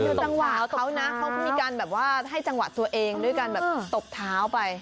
ตกเถ้านะเขามีการแบบว่าให้จังหวะตัวเองด้วยกันแบบตกเถ้าไป